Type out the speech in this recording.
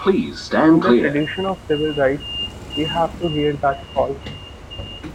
In the tradition of civil rights, we have to hear that call.